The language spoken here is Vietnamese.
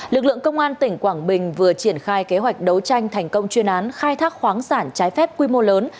lực lượng công an tỉnh quảng bình vừa triển khai kế hoạch đấu tranh thành công chuyên án khai thác khoáng sản trái phép quy mô lớn